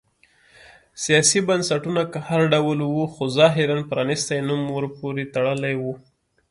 سیاسي بنسټونه که هر ډول و خو ظاهراً پرانیستی نوم ورپورې تړلی و.